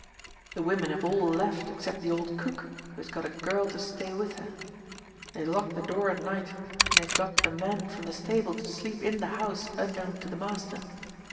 The women have all left except the old cook, who has got a girl to stay with her. They lock the door at night, and they have got the men from the stable to sleep in the house unknown to the master.